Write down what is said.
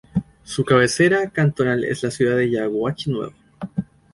Su cabecera cantonal es la ciudad de Yaguachi Nuevo.